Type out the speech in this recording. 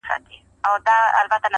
ما پرون د ګل تصویر جوړ کړ ته نه وې!!